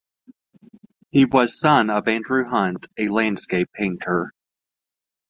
He was son of Andrew Hunt, a landscape painter.